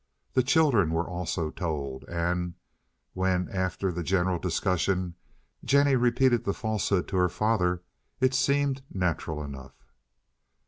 The children were also told, and when, after the general discussion, Jennie repeated the falsehood to her father it seemed natural enough.